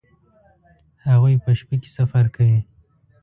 هغوی په شپه کې سفر کوي